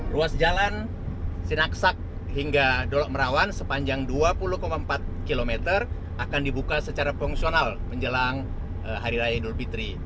ruas jalan sinaksak hingga dolok merawan sepanjang dua puluh empat km akan dibuka secara fungsional menjelang hari raya idul fitri